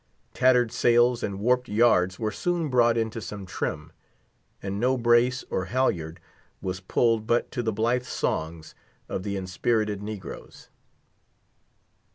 Tattered sails and warped yards were soon brought into some trim. And no brace or halyard was pulled but to the blithe songs of the inspirited negroes.